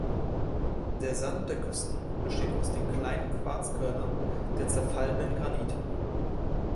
Der Sand der Küsten besteht aus den kleinen Quarzkörnern der zerfallenen Granite.